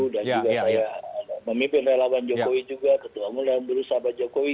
dan juga saya memimpin relawan jokowi juga ketua umum dan buruh sahabat jokowi